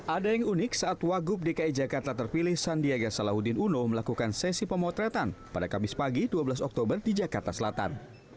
ada yang unik saat wagub dki jakarta terpilih sandiaga salahuddin uno melakukan sesi pemotretan pada kamis pagi dua belas oktober di jakarta selatan